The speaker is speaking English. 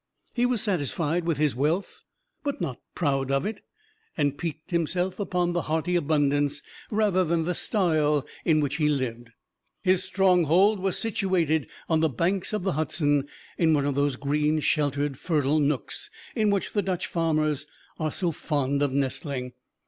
He was satisfied with his wealth, but not proud of it; and piqued himself upon the hearty abundance, rather than the style in which he lived. His stronghold was situated on the banks of the Hudson, in one of those green, sheltered, fertile nooks in which the Dutch farmers are so fond of nestling.